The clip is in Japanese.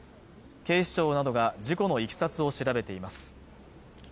警視庁などが事故のいきさつを調べています